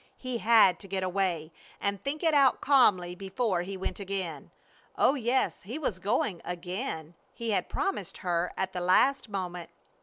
He had to get away and think it out calmly before he went again. Oh yes, he was going again. He had promised her at the last moment.